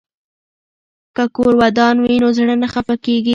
که کور ودان وي نو زړه نه خفه کیږي.